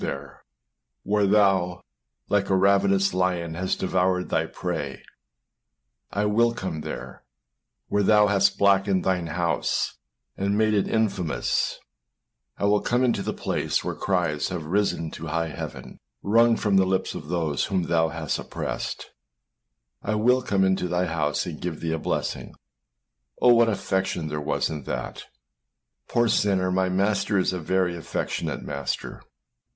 com 73 Effectual Calling Luke 19:5 where thou, like a ravenous lion hast devoured thy prey; I will come there, where thou hast blackened thine house, and made it infamous; I will come into the place where cries have risen to high heaven, wrung from the lips of those whom thou hast oppressed; I will come into thy house and give thee a blessing.â Oh! what affection there was in that! Poor sinner, my Master is a very affectionate Master.